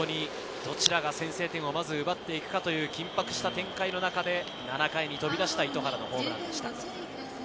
どちらが先制点をまず奪っていくのかという緊迫した展開の中で、７回に飛び出した糸原のホームランでした。